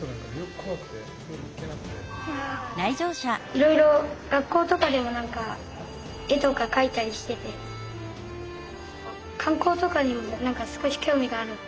いろいろ学校とかでも絵とか描いたりしてて観光とかにも少し興味がある。